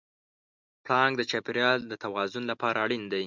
پړانګ د چاپېریال د توازن لپاره اړین دی.